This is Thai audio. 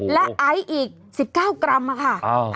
และไอซ์อีก๑๙กรัมค่ะ